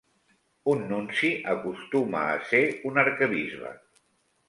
Un nunci acostuma a ser un arquebisbe.